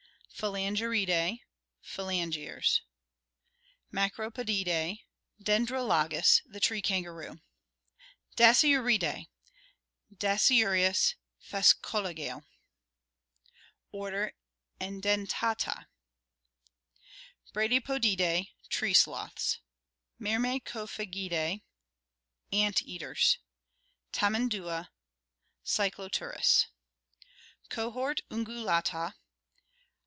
Phalange ridae, phalange rs. Macropodidae : Dendrolagus, the tree kangaroo. Dasyuridse: Dasyurus, Phascologale. Order Edentata. Bradypodidse, tree sloths. Myrmecophagidas, ant eaters: Tamandua, Cycloturus. Cohort Ungulata.